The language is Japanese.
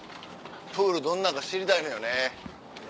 プールどんなんか知りたいのよね。